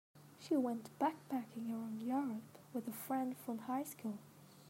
She went backpacking around Europe with a friend from high school.